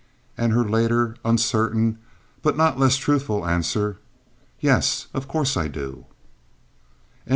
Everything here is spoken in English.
and her later uncertain but not less truthful answer, "Yes, of course I do."